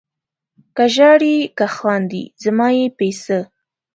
که ژاړې که خاندې زما یې په څه؟